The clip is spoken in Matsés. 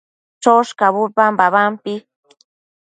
choshcabud babampi